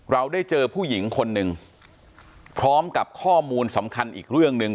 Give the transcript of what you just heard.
เราได้เจอผู้หญิงคนหนึ่งพร้อมกับข้อมูลสำคัญอีกเรื่องหนึ่ง